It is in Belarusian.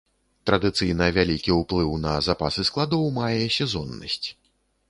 Традыцыйна вялікі ўплыў на запасы складоў мае сезоннасць.